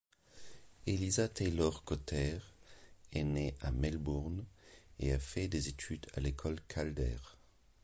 Eliza Taylor-Cotter est née à Melbourne et a fait des études à l'école Calder.